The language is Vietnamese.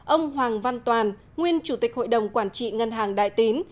ông hoàng văn toàn nguyên chủ tịch hội đồng quản trị ngân hàng đại tín